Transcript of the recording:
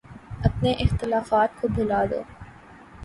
اپنے اختلافات کو بھلا دو۔